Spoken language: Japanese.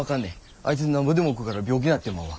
あいつなんぼでも食うから病気なってまうわ。